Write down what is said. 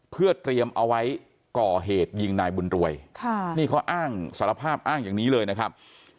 เพื่อเตรียมเอาไว้ก่อเหตุยิงนายบุญรวยค่ะนี่เขาอ้างสารภาพอ้างอย่างนี้เลยนะครับ